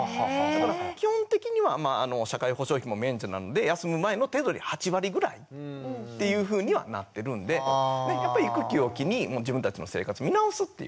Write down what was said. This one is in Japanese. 基本的にはまあ社会保障費も免除なので休む前の手取り８割ぐらいっていうふうにはなってるんでやっぱり育休を機に自分たちの生活見直すっていうね